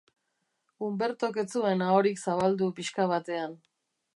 Umbertok ez zuen ahorik zabaldu pixka batean.